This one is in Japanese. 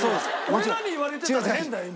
俺らに言われてたら変だよ今。